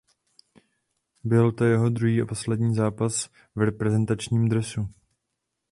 Byl to jeho druhý a poslední zápas v reprezentačním dresu.